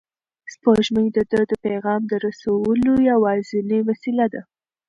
سپوږمۍ د ده د پیغام رسولو یوازینۍ وسیله ده.